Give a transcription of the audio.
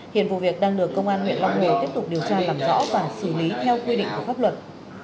hiện vụ việc đang được công an huyện long hồ tiếp tục điều tra làm rõ và xử lý theo quy định của pháp luật